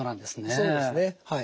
そうですねはい。